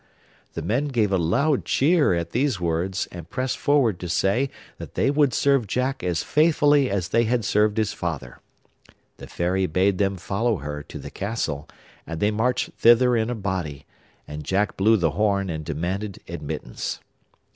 The men gave a loud cheer at these words, and pressed forward to say that they would serve Jack as faithfully as they had served his father. The Fairy bade them follow her to the castle, and they marched thither in a body, and Jack blew the horn and demanded admittance.